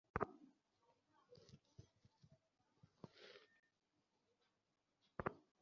তবে তিনি স্বেচ্ছায় অন্য কোথাও থাকতে চাইলে তাঁকে বাধা দেওয়া যাবে না।